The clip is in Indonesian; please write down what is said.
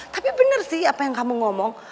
tapi bener sih apa yang kamu ngomong